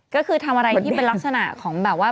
ก็คือทำอะไรที่เป็นลักษณะของแบบว่า